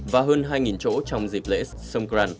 và hơn hai chỗ trong dịp lễ songkran